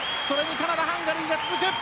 カナダとハンガリーが続く。